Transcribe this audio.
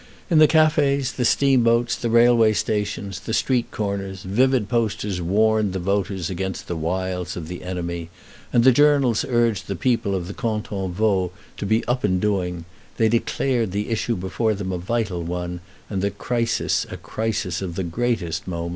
In the cafés, the steamboats, the railway stations, the street corners, vivid posters warned the voters against the wiles of the enemy, and the journals urged the people of the Canton Vaud to be up and doing; they declared the issue before them a vital one, and the crisis a crisis of the greatest moment.